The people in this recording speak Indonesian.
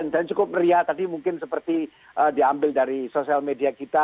dan cukup meriah tadi mungkin seperti diambil dari sosial media kita